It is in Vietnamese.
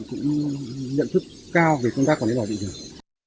cũng nhận thức cao về công tác quản lý bảo định